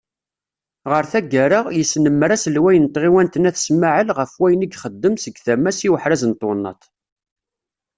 Ɣer taggara, yesnemmer aselway n tɣiwant n At Smaεel ɣef wayen i ixeddem seg tama-s i uḥraz n twennaḍt.